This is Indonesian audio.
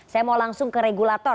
saya mau langsung ke regulator